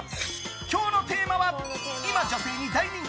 今日のテーマは今女性に大人気！